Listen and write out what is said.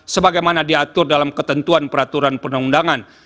sebagaimana diatur dalam ketentuan peraturan perundangan